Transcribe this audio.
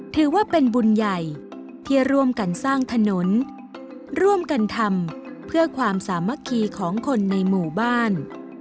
ถือว่าเป็นบุญใหญ่ที่ร่วมกันสร้างถนนร่วมกันทำเพื่อความสามัคคีของคนในหมู่บ้าน